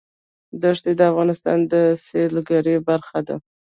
ښتې د افغانستان د سیلګرۍ برخه ده.